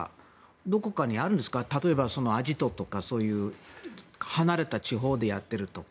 どこかにあるんですか例えば、アジトとかそういう離れた地方でやっているとか。